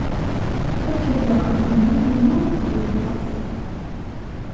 Akked leɛqed-nni-inu ideg yeṭṭef.